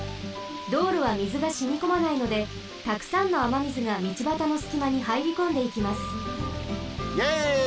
道路はみずがしみこまないのでたくさんのあまみずが道ばたのすきまにはいりこんでいきます。